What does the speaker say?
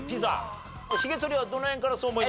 ひげそりはどの辺からそう思いました？